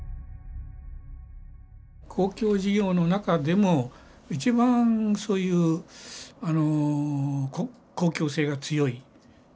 公共事業の中でも一番そういうあの公共性が強い。